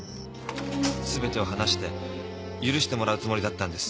すべてを話して許してもらうつもりだったんです。